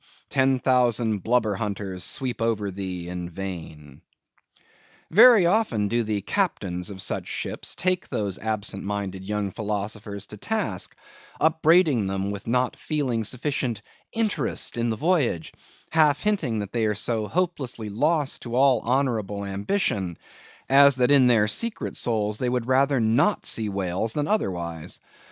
Ten thousand blubber hunters sweep over thee in vain." Very often do the captains of such ships take those absent minded young philosophers to task, upbraiding them with not feeling sufficient "interest" in the voyage; half hinting that they are so hopelessly lost to all honorable ambition, as that in their secret souls they would rather not see whales than otherwise.